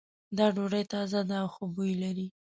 دا ډوډۍ تازه ده او ښه بوی لری